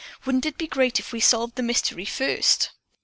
"Wouldn't it be great if we solved the mystery first?"